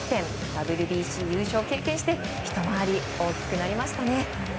ＷＢＣ優勝を経験してひと回り大きくなりましたね。